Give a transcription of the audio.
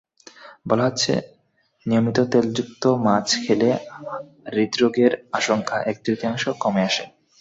বলা হচ্ছে, নিয়মিত তেলযুক্ত মাছ খেলে হৃদ্রোগের আশঙ্কা এক-তৃতীয়াংশ কমে আসে।